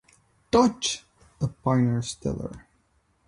Dodge, a pioneer settler.